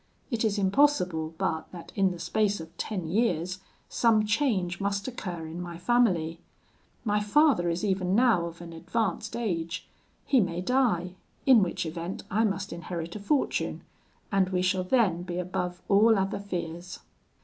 It is impossible but that in the space of ten years some change must occur in my family: my father is even now of an advanced age; he may die; in which event I must inherit a fortune, and we shall then be above all other fears.'